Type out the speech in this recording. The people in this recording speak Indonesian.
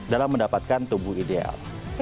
dalam mendapatkan tubuh ideal